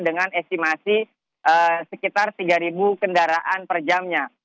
dengan estimasi sekitar tiga kendaraan per jamnya